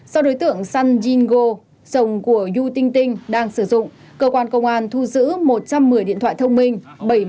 sau đối tượng sun jin go sông của wu tinh tinh đang sử dụng cơ quan công an thu giữ một trăm một mươi điện thoại thông minh